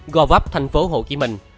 go vap tp hồ chí minh